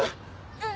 うん。